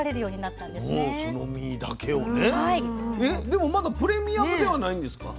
でもまだプレミアムではないんですか？